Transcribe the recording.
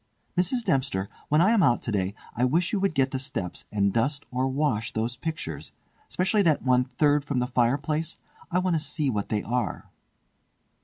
"Mrs. Dempster, when I am out to day I wish you would get the steps and dust or wash those pictures—specially that one the third from the fireplace—I want to see what they are."